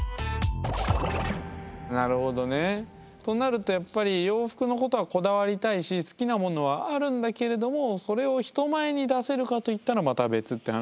となるとやっぱり洋服のことはこだわりたいし好きなものはあるんだけれどもそれを人前に出せるかといったらまた別って話になってくるわけですね。